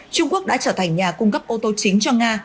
trung quốc đã trở thành nhà cung cấp ô tô chính cho nga